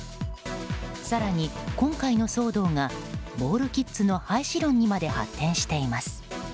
更に、今回の騒動がボールキッズの廃止論にまで発展しています。